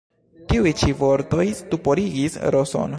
Tiuj ĉi vortoj stuporigis Roson.